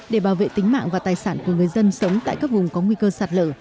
để bảo vệ tính mạng và tài sản của người dân sống tại các vùng có nguy cơ sạt lở